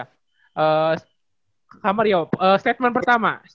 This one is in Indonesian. kak mario statement pertama